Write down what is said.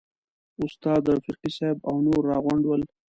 استاد رفیقي صاحب او نور راغونډ ول.